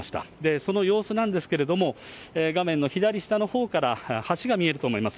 その様子なんですけれども、画面の左下のほうから橋が見えると思います。